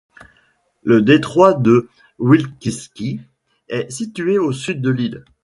Le détroit de Vilkitski est situé au sud de l'île.